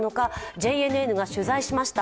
ＪＮＮが取材しました。